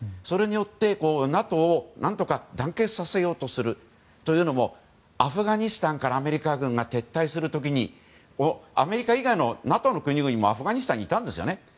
それによってＮＡＴＯを団結させようとするアフガニスタンからアメリカ軍が撤退する時にアメリカ以外のＮＡＴＯの国々もアフガニスタンにいたんですよね。